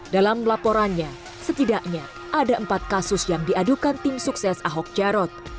dalam laporannya setidaknya ada empat kasus yang diadukan tim sukses ahok jarot